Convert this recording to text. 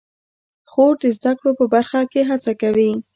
خور د زده کړو په برخه کې هڅه کوي.